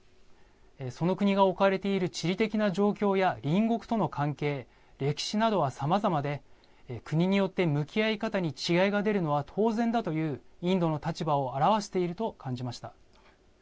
その国が置かれている地理的な状況や隣国との関係、歴史などはさまざまで、国によって向き合い方に違いが出るのは当然だという、インドの立場を表していると感じました。